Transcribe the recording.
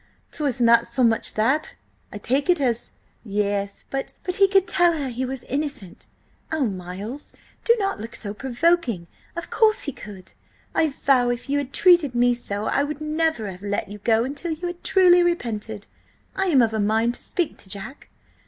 "'Twas not so much that, I take it, as—" "Yes, but he could tell her he was innocent–oh, Miles, do not look so provoking! Of course he could! I vow if you had treated me so, I would never have let you go until you had truly repented! I am of a mind to speak to Jack."